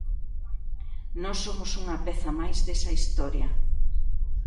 Nós somos unha peza máis desa historia.